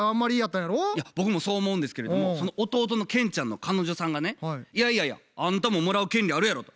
いや僕もそう思うんですけれどもその弟のケンちゃんの彼女さんがね「いやいやいやあんたももらう権利あるやろ」と。